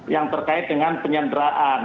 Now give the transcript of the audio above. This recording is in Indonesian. yang terkait dengan penyanderaan